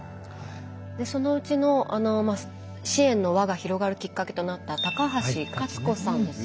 そのうちの支援の輪が広がるきっかけとなった高橋勝子さんですよね。